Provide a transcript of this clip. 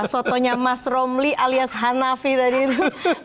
sotonya mas romli alias hanafi tadi itu